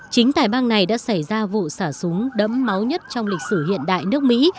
chính tại bang này đã xảy ra vụ xả súng đẫm máu nhất trong lịch sử hiện đại nước mỹ